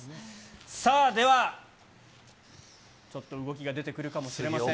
さあ、ではちょっと動きが出てくるかもしれません。